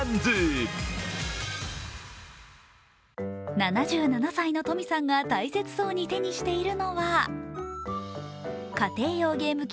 ７７歳のとみさんが大切そうに手にしているのは家庭用ゲーム機